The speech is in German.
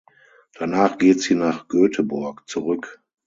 Danach geht sie nach Göteborg zurück.